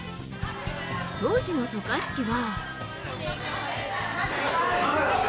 当時の渡嘉敷は。